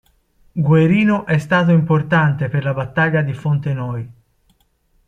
Guerino è stato importante per la battaglia di Fontenoy.